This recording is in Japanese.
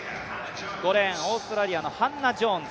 ５レーン、オーストラリアのハンナ・ジョーンズ。